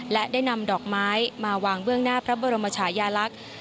และได้นำดอกไม้มาวางเบื้องหน้าพระบรมชายาลักษณ์